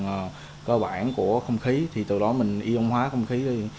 đó là cơ bản của không khí thì từ đó mình ion hóa không khí đi